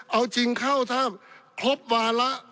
เอาจริงเข้าถ้าครบวาระ